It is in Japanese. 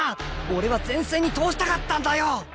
俺は前線に通したかったんだよ！